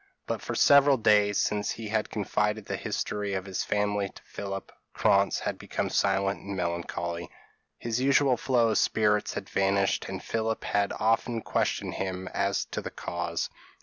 But for several days, since he had confided the history of his family to Philip, Krantz had become silent and melancholy: his usual flow of spirits had vanished and Philip had often questioned him as to the cause.